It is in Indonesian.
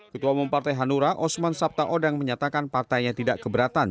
ketua umum partai hanura osman sabta odang menyatakan partainya tidak keberatan